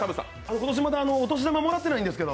今年まだお年玉もらってないんですけど。